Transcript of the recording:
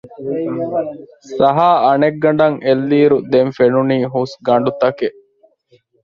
ސަހާ އަނެއްގަނޑަށް އެއްލިއިރު ދެން ފެނުނީ ހުސްގަނޑުތަކެއް